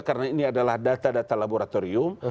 karena ini adalah data data laboratorium